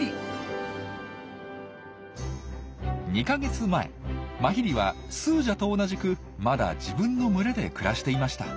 ２か月前マヒリはスージャと同じくまだ自分の群れで暮らしていました。